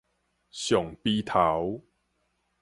上埤頭